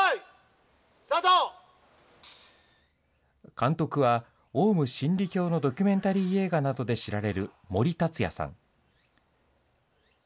監督は、オウム真理教などのドキュメンタリー映画で知られる森達也さん。